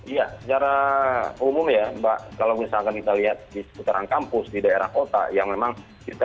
iya secara umum ya mbak kalau misalkan kita lihat di seputaran kampus di daerah kota ya memang kita